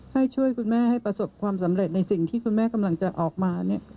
ให้ช่วยคุณแม่ให้ประสบความสำเร็จในสิ่งที่คุณแม่กำลังจะออกมาเนี่ย